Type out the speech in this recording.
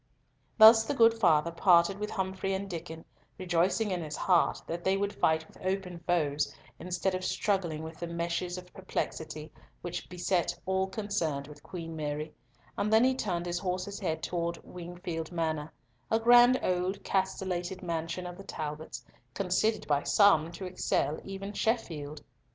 Thus the good father parted with Humfrey and Diccon, rejoicing in his heart that they would fight with open foes, instead of struggling with the meshes of perplexity, which beset all concerned with Queen Mary, and then he turned his horse's head towards Wingfield Manor, a grand old castellated mansion of the Talbots, considered by some to excel even Sheffield.